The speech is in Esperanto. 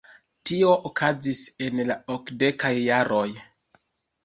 Tio okazis en la okdekaj jaroj.